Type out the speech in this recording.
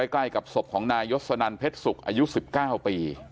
ใกล้กับศพของนายยศนันเพชรศุกร์อายุ๑๙ปี